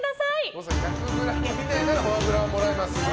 誤差１００ｇ以内ならフォアグラはもらえます。